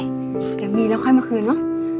เดี๋ยวมีแล้วค่อยมาคืนเนอะ